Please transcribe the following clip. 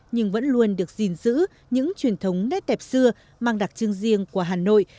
nhưng vẫn luôn được gìn giữ những truyền thống nét đẹp xưa mang đặc trưng riêng của hà nội